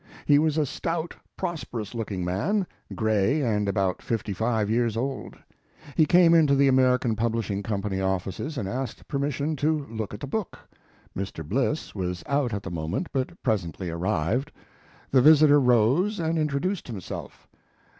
He was a stout, prosperous looking man, gray and about fifty five years old. He came into the American Publishing Company offices and asked permission to look at the book. Mr. Bliss was out at the moment, but presently arrived. The visitor rose and introduced himself.